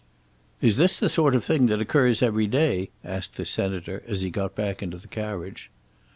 "Is this the sort of thing that occurs every day?" asked the Senator as he got back into the carriage.